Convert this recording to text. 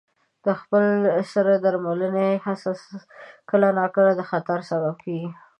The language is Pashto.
د خپل سرې درملنې هڅه کله ناکله د خطر سبب کېږي.